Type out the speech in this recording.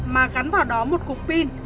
mà gắn vào đó một cục pin